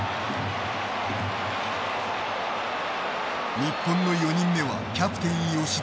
日本の４人目はキャプテン吉田。